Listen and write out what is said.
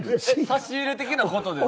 差し入れ的な事で。